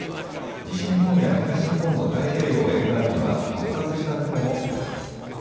西日本や東日本の太平洋沿岸には発達した雲も見られます。